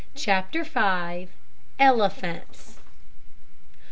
CHAPTER FIVE. ELEPHANTS.